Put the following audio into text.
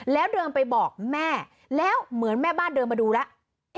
แล้วเดินไปบอกแม่แล้วเหมือนแม่บ้านเดินมาดูแล้ว